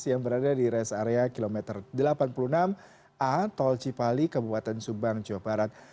yang berada di res area kilometer delapan puluh enam a tol cipali kabupaten subang jawa barat